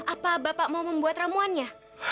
apa bapak mau membuat ramuannya